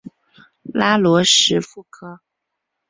拉罗什富科。